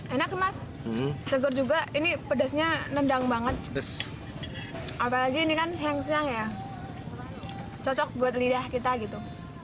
enak mas seger juga ini pedasnya nendang banget apalagi ini kan seng seyang ya cocok buat lidah kita gitu